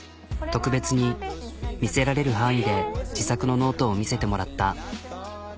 特別に見せられる範囲で自作のノートを見せてもらった。